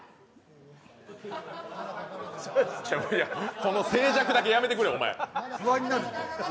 この静寂だけやめてくれ！